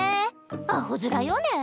アホ面よね。